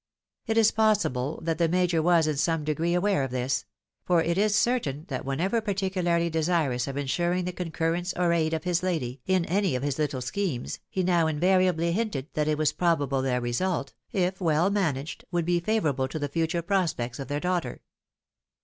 It is pos sible that the Major was in some degree aware of this ; for it is certain that whenever particularly desirous of insuring the con currence or aid of his lady, in any of his little schemes, he now invariably hinted that it was probable their result, if well managed, would be favourable to the future prospects of their daughter.